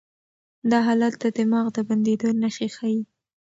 دا حالت د دماغ د بندېدو نښې ښيي.